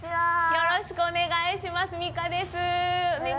よろしくお願いします。